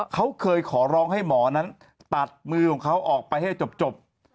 เขาเคยขอร้องให้หมอนั้นตัดมือของเขาออกไปให้จบ